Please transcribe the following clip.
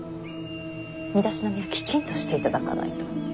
身だしなみはきちんとしていただかないと。